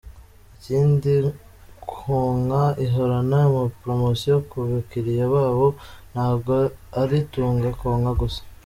Ikindi Konka ihorana amaporomotion ku bakiriya babo ntago ari Tunga Konka gusa.